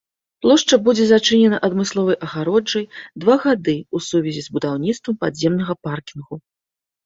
Плошча будзе зачынена адмысловай агароджай два гады ў сувязі з будаўніцтвам падземнага паркінгу.